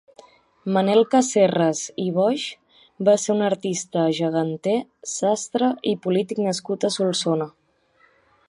Manel Casserres i Boix va ser un artista geganter, sastre i polític nascut a Solsona.